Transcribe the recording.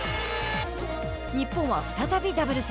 日本は再びダブルス。